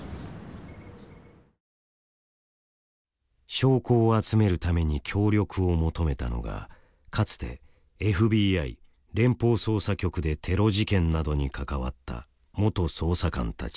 証拠を集めるために協力を求めたのがかつてＦＢＩ連邦捜査局でテロ事件などに関わった元捜査官たち。